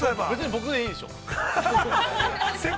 僕でいいでしょう。